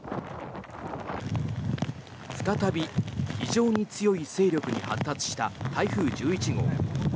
再び非常に強い勢力に発達した台風１１号。